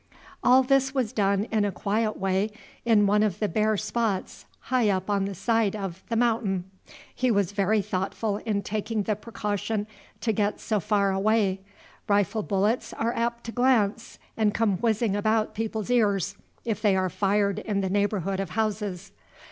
All this was done in a quiet way in one of the bare spots high up the side of The Mountain. He was very thoughtful in taking the precaution to get so far away; rifle bullets are apt to glance and come whizzing about people's ears, if they are fired in the neighborhood of houses.